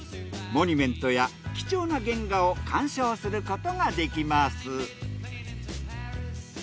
モニュメントや貴重な原画を鑑賞することができます。